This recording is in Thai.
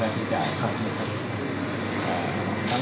ทั้งเวรจนี่ก็รับทุกคนพวกอยู่ในนี้นะครับ